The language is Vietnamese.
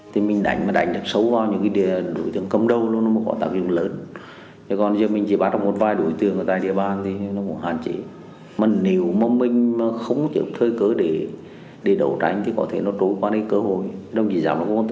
trong đường dây ba tỷ đồng